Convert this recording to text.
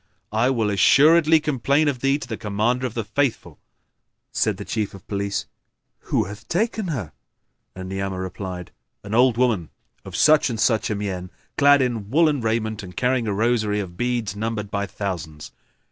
I will assuredly complain of thee to the Commander of the Faithful." Said the Chief of Police, "Who hath taken her?" and Ni'amah replied, "An old woman of such and such a mien, clad in woollen raiment and carrying a rosary of beads numbered by thousands."